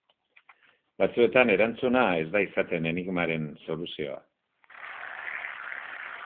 Batzuetan erantzuna ez da izaten enigmaren soluzioa.